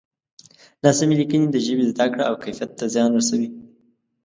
ناسمې لیکنې د ژبې زده کړه او کیفیت ته زیان رسوي.